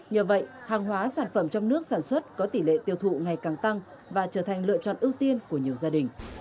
nhờ vậy hàng hóa sản phẩm trong nước sản xuất có tỷ lệ tiêu thụ ngày càng tăng và trở thành lựa chọn ưu tiên của nhiều gia đình